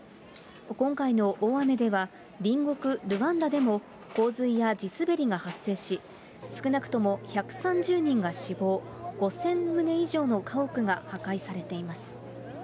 今回の大雨では、隣国ルワンダでも洪水や地滑りが発生し、少なくとも１３０人が死亡、５０００棟以上の家屋が破壊されています。